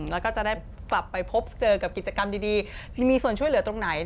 แล้วก็จะได้กลับไปพบเจอกับกิจกรรมดีมีส่วนช่วยเหลือตรงไหน